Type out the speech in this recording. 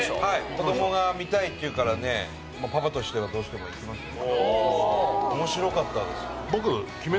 子どもが見たいって言うからねパパとしてはどうしても行きますよ。